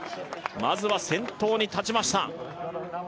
まずは先頭に立ちました